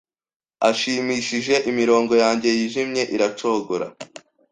ashimishije imirongo yanjye yijimye iracogora